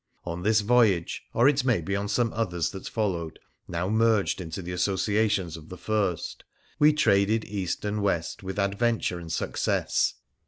On this voyage (or it may be on some others that followed, now merged into the associations of the first) we traded east and west with adventure and success.